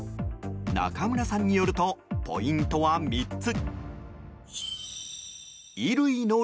中村さんによるとポイントは３つ。